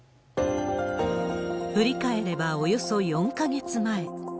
振り返ればおよそ４か月前。